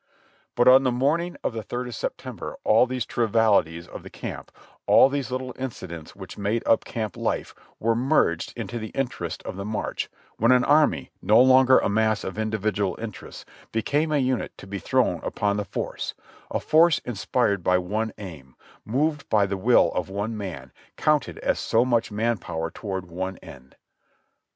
But on the morning of the third of September all these triv ialities of the camp, all these little incidents which made up camp life were merged into the interest of the march, when an army, no longer a mass of individual interests, became a unit to be thrown upon the foe; a force inspired by one aim, moved by the will of one man, counted as so much man power toward one end.